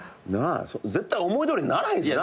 絶対思いどおりにならへんしな。